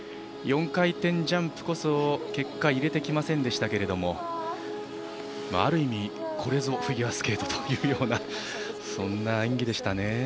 ４回転ジャンプこそ結果、入れてきませんでしたがある意味、これぞフィギュアスケートというようなそんな演技でしたね。